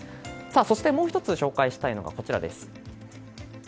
そして、もう１つ紹介したいのがこちらです。